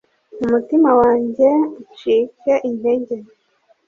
Umutima wanjye ucike intege